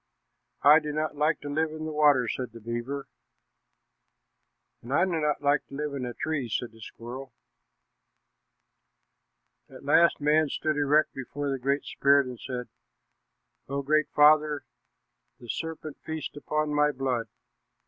"I do not like to live in the water," said the beaver. "And I do not like to live in a tree," said the squirrel. At last man stood erect before the Great Spirit and said, "O Great Father, the serpent feasts upon my blood.